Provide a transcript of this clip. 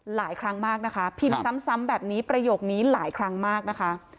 หลายครั้งมากนะคะพิมพ์ซ้ำแบบนี้ประโยคนี้หลายครั้งมากนะคะ